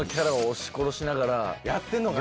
やってんのかな。